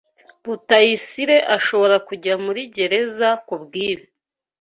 Rutayisire ashobora kujya muri gereza kubwibi.